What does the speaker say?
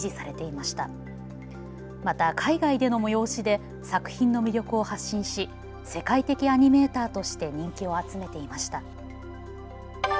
また海外での催しで作品の魅力を発信し世界的アニメーターとして人気を集めていました。